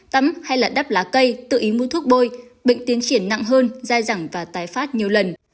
tắm hay là đắp lá cây tự ý mua thuốc bôi bệnh tiến triển nặng hơn dai dẳng và tái phát nhiều lần